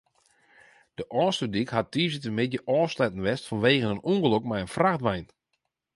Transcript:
De Ofslútdyk hat tiisdeitemiddei ôfsletten west fanwegen in ûngelok mei in frachtwein.